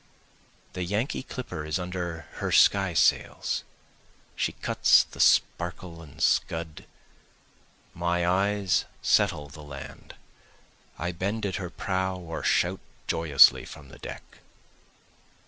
The Yankee clipper is under her sky sails, she cuts the sparkle and scud, My eyes settle the land, I bend at her prow or shout joyously from the deck.